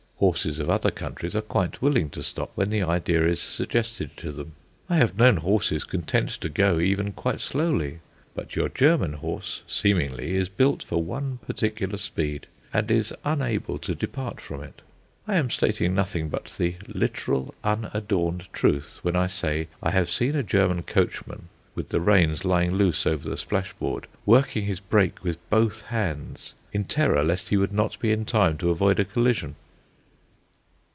Horses of other countries are quite willing to stop when the idea is suggested to them. I have known horses content to go even quite slowly. But your German horse, seemingly, is built for one particular speed, and is unable to depart from it. I am stating nothing but the literal, unadorned truth, when I say I have seen a German coachman, with the reins lying loose over the splash board, working his brake with both hands, in terror lest he would not be in time to avoid a collision.